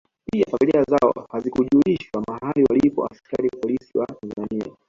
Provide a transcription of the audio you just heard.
Pia familia zao hazikujulishwa mahali walipo askari polisi wa Tanzania